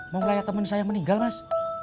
mau ngeliat temen saya yang meninggal mas